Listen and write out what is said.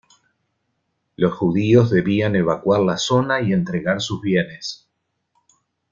Los judíos debían evacuar la zona y entregar sus bienes.